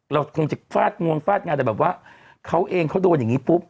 เราคงจะฟาดงวงฟาดงานแต่แบบว่าเขาเองเขาโดนอย่างนี้ปุ๊บ